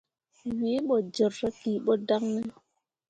Wǝǝ ɓo jerra ki ɓo dan ne ?